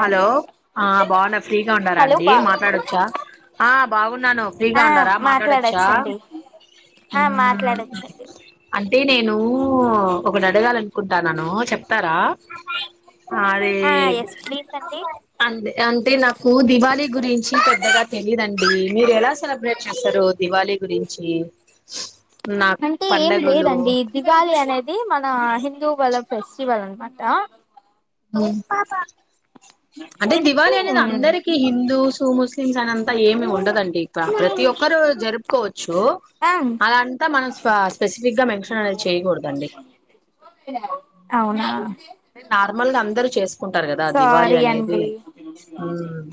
Hello బాగున్న ఫ్రీగా ఉన్నారా అండి మాట్లాడొచ్చా బాగున్నాను ఫ్రీగా ఆ ఉండారా మాట్లాడొచ్చా మాట్లాడొచ్చండి ఆ మాట్లాడొచ్చండి ఉ అంటే నేను ఒకటి అడగాల అనుకుంటాన్నాను వస్తారా అదే ఆ ఎస్ ప్లీజ్ అండి అంటే నాకు దివళి గురించి పెద్దగా తెలీదండి మీరు ఎలా సెలబ్రేట్ చేస్తారు దివాళి గురించి నాకు అంటే ఏం పండగలు లేదండి దివాళి అనేది మన హిందూ ఇవాళ ఫెస్టివల్ అన్న మాట మ్ అంటే దివాళి అనేది అందరికి హిందూస్, ముస్లిమ్స్, అనేంతా ఏమి ఉండదండి, ఇక్క ప్రతి ఒక్కరు జరుపుకోవచ్చు, ఆ అదంతా మనం స్పెసిఫిక్ గా మెన్షన్ అనేది చేయకూడదండి. అవునా నార్మల్ అందరు చెస్ కుంటారు కదా దివాళి సారీ అనేది అండి మ్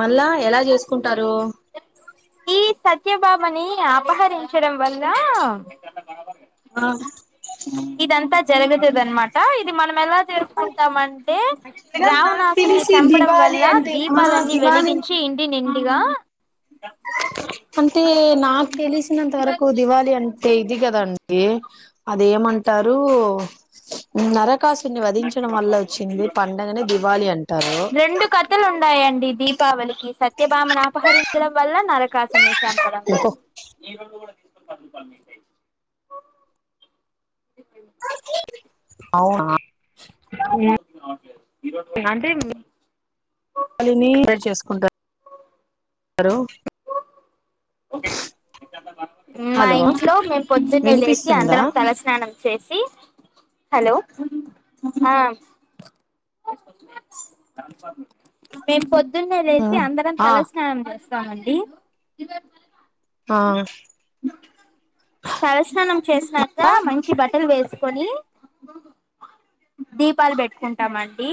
మళ్ళా ఎలా చేసుకుంటారు కే బాబని అపహరించడం వల్ల ఇదంతా జరుగతది అనమాట ఇది మనం ఎలా జరుపుకుంటామంటే యాక్చువల్ గా నాకు రావణాసురున్ని తెలిసి చంపడం దివాళి వల్ల అంటే ఆ దీపాలన్నీ దివాళి వెలిగించ నే నిండిగా అంటే నాకు తెలిసినంత వరకు దివాళి అంటే ఇది కధ అండి అదేమంటారు నరక కాశున్ని వధించడం వల్ల వచ్చింది పండగనే దివాళి అంటారు దీపావళి ఈ సత్యభామను అపహరించడం వల్ల నరకాసుని చంపడం వల్ల ఇంకో అవునా అంటే [unintelligible] చేసుకుంట అరో ఓకే మా హలో ఇంట్లో మేం పొద్దున్నే లేచి వినిపిస్తుందా అందరం తలస్నానం చేసి హలో ఆ మేం పొద్దు పొదున్నే లేసి అందరం ఆ తల స్నానం చేస్తాం స్తామండి ఆ తలస్నానం చేసినాక మంచి బట్టలు వేసి కొని దీపాలు పెట్టుకుంటామండి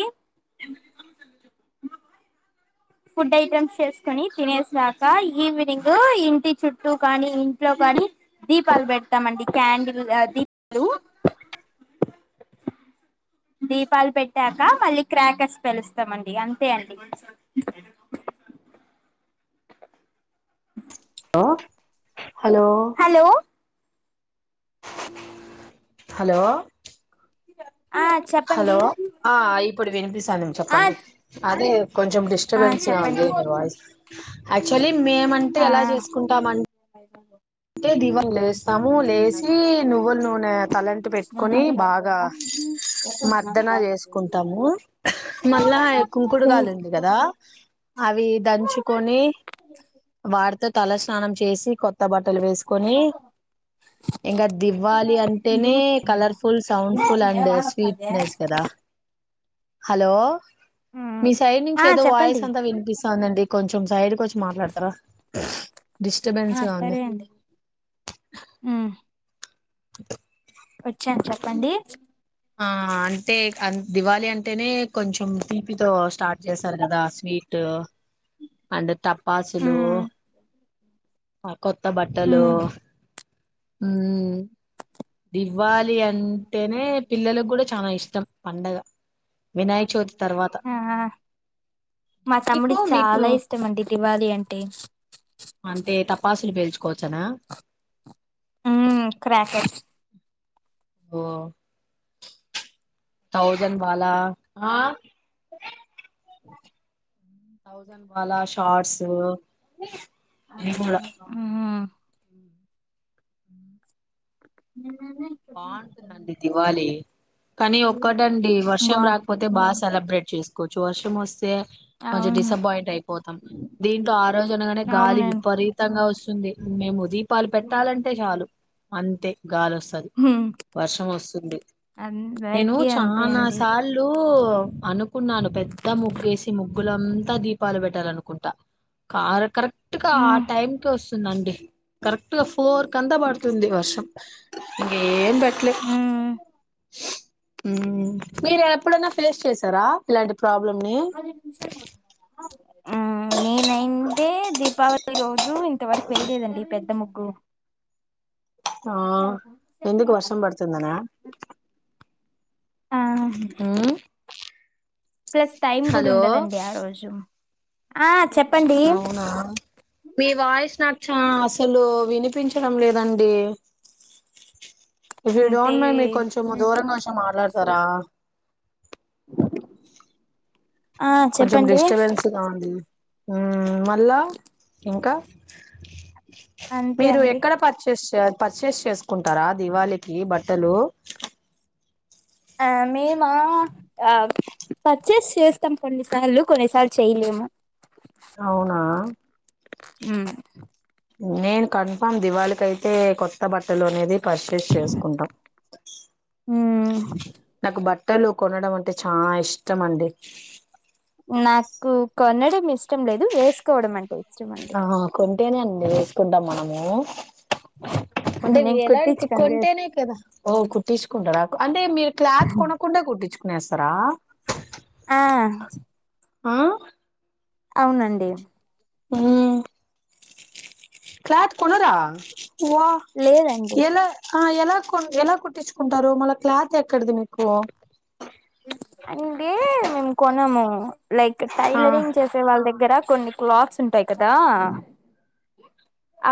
ఫుడ్ ఐటమ్స్ చేసుకొని తినేసాక ఈవినింగ్ ఇంటి చుట్టూ కానీ ఇంట్లో కానీ దీపాలు పెడతామండి క్యాండిల్ దీపాలు దీపాలు పెట్టాక మళ్ళీ క్రాకర్స్ పెలుస్తామండి అంతే అండి హలో హలో హలో ఆ చెప్పండి ప్పుడు విని తనుం ఆ చెప్పండి అదే కొంచెం ఆ డిస్టర్బెన్స్ గా ఉంది చెప్పండి మీ వాయిస్ యాక్చువలీ మేమంటే ఆ ఎలా చేసుకుంటా ఏ దివన్లేస్ స్తాము లేసి నువ్వుల నూనె తలంటి పెట్టుకొని బాగా మర్దన చేసుకుంటాము మళ్ళా మ్మ్ కుంకుడుగాలు ఉంది కదా అవి దంచుకొని వాడుత తల స్నానం చేసి కొత్త బట్ట ట్టలు వేస్ కొని ఇంకా దివాళి అంటేనే colourful sound full and sweetness కదా హలో మీ సైడ్ ఆ నుంచి ఏదో వాయిస్ చెప్పండి అంతా వినిపిస్ అవునండి కొంచెం కొంచెం సైడికి వచ్చి మాట్లాడతారా ఆ డిస్టర్బెన్స్ గా ఉంది సరే అండి ఆ వచ్చాను చెప్పండి ఆ అంటే దివాళి అంటేనే కొంచెం తీపితో స్టార్ట్ చేశారు కదా వీట్ అడ్ తపాసలు మ్మ్ ఓ కొత్త బట్టలు మ్మ్ హ దివాళి అంటేనే కూడా చాలా ఇష్టం పండగ వినాయక చవితి తర్వాత ఆ మా మీకు తమ్ముడికి మీకు చాలా ఇష్టం అండి దివాళి అంటే కోచనా క్రక ఓ థౌజండ్ వాాలా ఇకా థౌజండ్ వాాలా షార్ట్స్ ఇవి కూడా మ్మ్ ని వాణంత నం దివాాలి కానీ ఒక్కటండి వర్షం బా రాకపోతే బాగా సెలబ్రేట్ చేస్త కూ చు వర్ష మస్తే కొంచెం అవును డిసప్పాయింట్ అయిపోతాం దీంట్లో ఆ రోజునగానే గాలి అవునండి విపరీతంగా వస్తు ఉంటుంది మేము ఉదయం పాలు పెట్టాలంటే చాలు అంతే గాలి వస్తది మ్మ్ వర్షం వస్తుంది నేను అందరికీ అంతే చాలా అండి సార్లు అనుకున్నాను పెద్ద ముగ్గేసి ముగ్గులంతా దీపాలు పెట్టాల అనుకుంటా కార కరెక్ట్ కరెక్ట్ గా ఆ మ్మ్ టైం కి వస్తుందండి కరెక్ట్ గా ఫోర్ర్ కంతా పడుతుంది వర్షం ఏందండి లే మ్మ్ ఊ మీరు ఎప్పుడైనా ఫేస్ చేసారా లడుగ్ ఆ నేనైందే దీపావళి రోజు రోజు ఇంత వరకు వేయలేదండి పెద్ద ముగ్గు గ్గు ఆ ఎందుకు వర్షం పడుతుందనా ఆ ప్లస్ టైం కూడా హలో ఉండదండి ఆ రోజు ఆ చెప్పండి అవునా మీ వాయిస్ నాకు చాస్ అస్సలు వినిపించడం లేదండి. ఇఫ్ యు అంతే డోంట్ మైండ్ మీకు కొంచెం దూరంగా వచ్చి మాట్లాడతారా [inaudible] కొంచెం చెప్పండి డిస్టబెన్స్గా ఉంది ఊ మళ్ళా ఇంకా అంతే మీరు అండి ఎక్కడ పర్చేస్ పర్చేస్ చేసుకుంటారా దివాళికి బట్టలు ఆ మేమా ఆ పర్చేస్ చేస్తాం కొన్నిసార్లు కొన్నిసార్లు చేయలేము అవునా ఊ నేను కన్ఫామ్ దివాళికి అయితే కొత్త బట్టలోనే లోనే పర్చేస్ చేసుకుంటాం మ్మ్ నాకు బట్ట బట్టలు కొనడం అంటే చాలా ఇష్టం అండి నాకు కొనడం ఇష్టం లేదు వేసుకోవడం అంటే ఇష్టం అండి ఆహా కొన్ అంటేనే అండి వేసుకుంటాం మనము అంటే నేను ఎలాంటి కుట్టించుకోను వేస్ కొంటేనే కదా ఓ కుట్టించుకుంటడాకు అంటే మీరు క్లాత్ కొనకుండా కుట్టించుకో కోని వేస్తారా ఆ ఆ అవునండి. ఊ క్లాత్ కొనరా వా లేదండి ఎలా ఆ ఎలా ఎలా కుట్టించుకుంటారు మళ్ళ క్లాత్ ఎక్కడది మీకు ఆ లైక్ ఆ టైలరింగ్ చేసే వాళ్ళ దగ్గర కొన్ని క్లాత్స్ ఉంటాయి కదా ఆ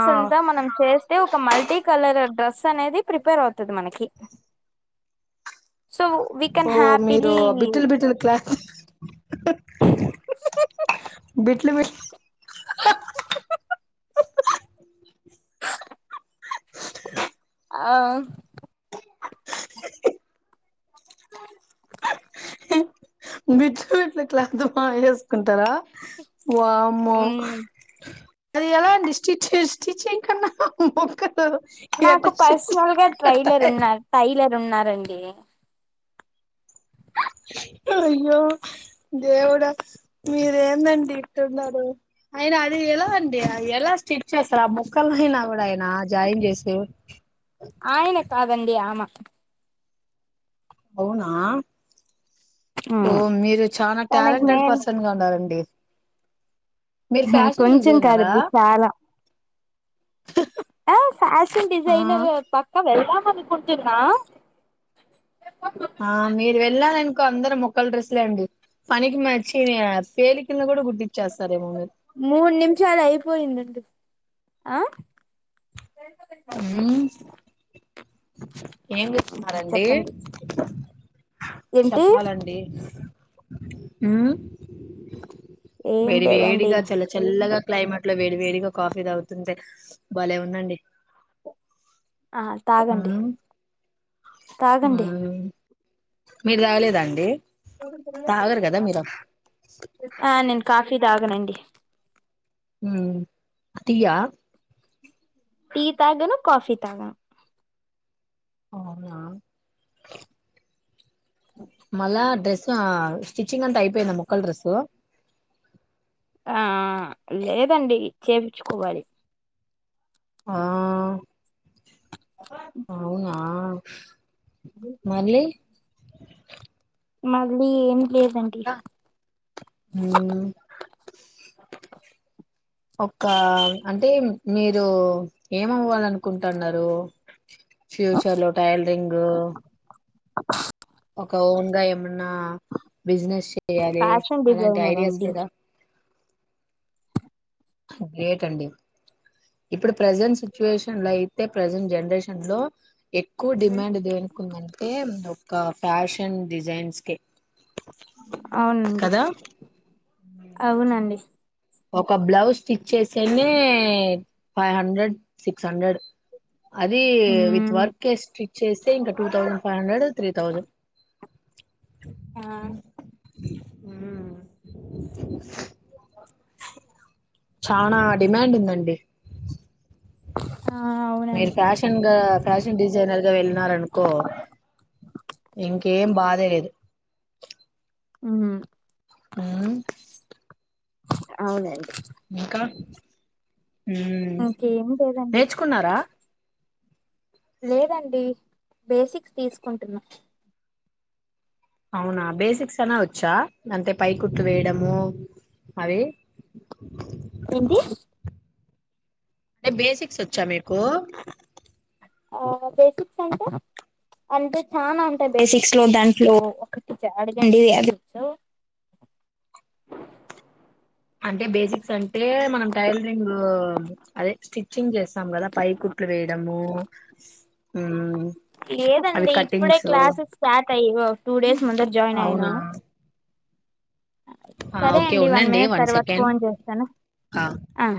ఆ అంతా మనం చేస్తే ఒక మల్టీ కలర్ డ్రెస్ అనేది ప్రిపేర్ అవుతది మనకి వీ కెన్ ఓ మీరు హ్యాపీలీ బిట్టలు బిడ్ట్టలు క్లాత్ బిట్లు మీిర్ స ఆ బిట్లు బిట్లు క్లాత్ వేసుకుంటారా వామ్మో మ్మ్ అది ఎలా అండి స్ స్టిచింగ్ కన్నా నాకు పర్సనల్ గా ఎట్ట ట్రైలర్ ఉన్నారు టైలర్ ఉన్నారు రండి అయ్యో దేవుడా మీర ఏందండి ఇట్న్నారు ఆయన అది ఎలావండి ఎలా స్టిచ్ చేస్తారు ఆ ముొక్కలు అయినా కూడా ఆయన జాయిన్ చేసే ఆయన కాదండి ఆమ అవునా ఓ మీరు చాలా తనకు టాలెంటెడ్ నేను పర్సన్ గా ఉన్నారండి మీరు ఫ్యాషన్ కొంచెం డిజైనరా కాదంది చాలా ఆ ఫ్యాషన్ ఆ డిజైనర్ పక్క వెళ్దాం అనుకుంటున్న అందర మొక్కల డ్రెస్ లేండి పనికి మచ్చి పేలి కింద కూడా గుర్తించేస్తారుేమ మూడు నిమిషాలు అయిపోయిందండి ఆ మ్మ్ ఇ ఏం చేస్తున్నారు అండి చెప్పండి ఏంటి చెప్పాలండి హ్మ ఏం వేడి లేదండి వేడిగా చల్ల చల్లగా డిమార్ట్ లో వేడి వేడిగా కాఫీ తాగుతుంటే బాలే ఉందండి ఆ తాగండి మ్మ్ తాగండి మ్మ్ మీరు తాగలేదండి ఆ నే కఫ్ టి దాగనండి మ్మ్ అటియా టీ తగను కాఫీ తాగాను అవునా మళ్ళా డ్రెస్సు స్టిచ్చింగ్ అంతా అయిపోయింద ముక్కల డ్రెస్సు ఆ లేదండి చూపిచుకోవాలి ఆ అవునా మలి మాలీ ఎం లేదండి మ్మ్ ఒక అంటే మీరు ఏమవ్వాలనుకుంటున్నారు ఫ్యూచర్ లో టైలరింగ్ ఒక ఓన్గా ఏమ బిజినెస్ చెయాలి ఫ్యాషన్ అలాంటి డిజైనర్ ఐడియాస్ అండి లేదా గ్రేట్ అండి ఇప్పుడు ప్రజెంట్ సిచ్యువేషన్ లో అయితే ప్రజెంట్ జనరేషన్ లో ఎక్కువ డిమాండ్ దేనుకుందంటే ఒక ఫ్యాషన్ డిజైన్స్ కే అవునండి అవునండి ఒక ఒక బ్లాౌస్ స్టి చేసానే ఫైవ్ హండ్రెడ్ సిక్స్ హండ్రెడ్ అది విత్ ఉమ్ వర్క్ కే స్ట్రిచ్ చేస్తే ఇంకా two thousand five hundred three thousand ఆ మ్మ్ చనా డిమాండ్ ఉందండి ఆ మీరు అవునండి ఫ్యాషన్ గా ఫ్యాషన్ డిజైైనర్ వెళ్ళినారనుకో ఇంకేం బాధే లేదు మ్మ్ మ్మ్ అవునండి ఇంకా ఉ ఇంకేం లేదండి నేర్చుకున్నారా లేదండి బేసిక్స్ తీసుకుంటున్నా అవునా బేసిక్స్ అనా వచ్చా అంతే పై కుర్తు వేయడము అవి ఏంటి అంటే బేసిక్స్ వచ్చా మీకు ఆ బేసిక్స్ అంటే లో దాంట్లో ఒకటీ అడగండి అది ఒచ్చ అంటే బేసిక్స్ అంటే మనం టైలరింగ్ రింగు అదే స్టిచ్చింగ్ చేస్తాం కదా పై కుట్లు వేయడము హ్మ్మ్ లేదండి ఇప్పుడే క్లాసెస్ స్టార్ట్ అయ్య టూ డేస్ ముందు జాయిన్ అయినా అవునా ఆ సరే ఓకే అండి వన్ ఉండండి మినిట్ తర్వాత సెకండ్ ఫోన్ చేస్తాను ఆ